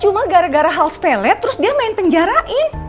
cuma gara gara hal sepele terus dia main penjarain